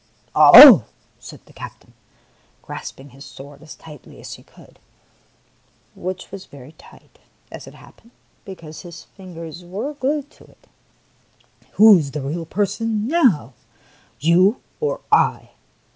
"Oho !" said the captain, grasping his sword as tightly as he could, — which was very tight, as it happened, because his fingers were glued to it, —" who is the real person now, you or I